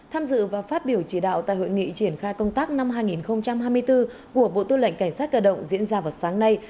tham dự và phát biểu chỉ đạo tại hội nghị triển khai công tác năm hai nghìn hai mươi bốn của bộ tư lệnh cảnh sát cơ động diễn ra vào sáng nay